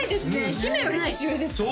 姫より年上ですからね